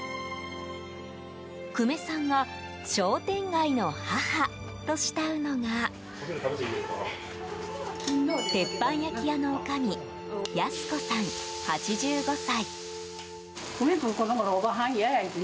久米さんが商店街の母と慕うのが鉄板焼き屋の女将安子さん、８５歳。